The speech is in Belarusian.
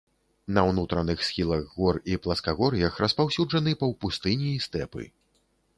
На ўнутраных схілах гор і пласкагор'ях распаўсюджаны паўпустыні і стэпы.